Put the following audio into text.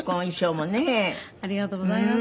ありがとうございます。